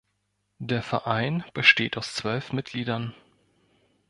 Der Verein besteht aus zwölf Mitgliedern.